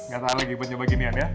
gak tahu lagi buat coba ginian ya